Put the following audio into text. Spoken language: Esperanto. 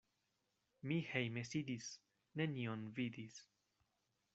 Mi hejme sidis, nenion vidis.